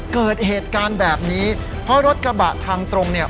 เกิดเหตุการณ์แบบนี้เพราะรถกระบะทางตรงเนี่ย